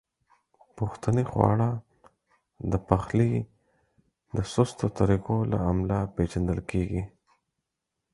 پښتني خواړه د پخلي د سستو طریقو له امله پیژندل کیږي.